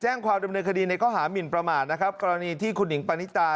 แจ้งความเต็มเนื้อคดีในเคราะห์มิลประมาทนะครับกรณีที่คุณหญิงปรณิตา